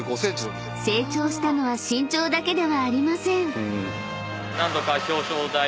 ［成長したのは身長だけではありません］